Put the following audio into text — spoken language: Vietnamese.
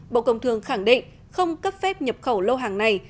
bộ công thương khẳng định không cấp phép nhập khẩu lô hàng này